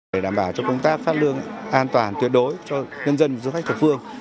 để đảm bảo cho công tác phát lương an toàn tuyệt đối cho nhân dân và du khách thực phương